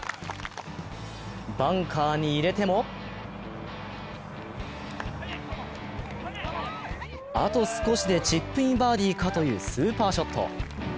バンカーに入れてもあと少しでチップインバーディーかというスーパーショット。